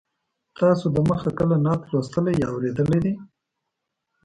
تاسو د مخه کله نعت لوستلی یا اورېدلی دی.